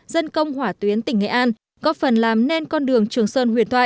dân công hỏa tuyến tỉnh nghệ an góp phần làm nên con đường trường sơn huyền thoại